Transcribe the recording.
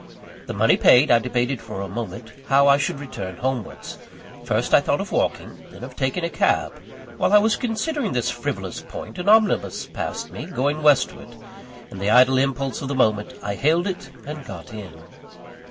The money paid, I debated for a moment how I should return homewards. First I thought of walking: then of taking a cab. While I was considering this frivolous point, an omnibus passed me, going westward. In the idle impulse of the moment, I hailed it, and got in.